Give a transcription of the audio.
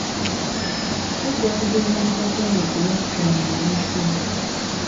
Tujja kugenda mu katale ku lwokutaano olujja.